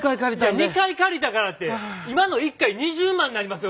いや２回借りたからって今の１回２０万になりますよ